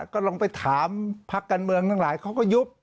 ก็ลองไปถามพักการเมืองทั้งหลายเขาก็ยุบ